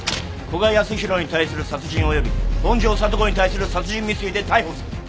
古賀康弘に対する殺人および本庄聡子に対する殺人未遂で逮捕する。